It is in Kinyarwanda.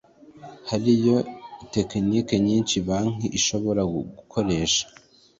hariho tekinike nyinshi banki ishobora gukoresha